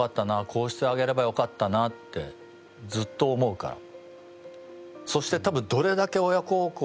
こうしてあげればよかったなってずっと思うから。